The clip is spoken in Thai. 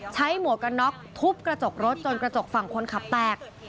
หมวกกันน็อกทุบกระจกรถจนกระจกฝั่งคนขับแตก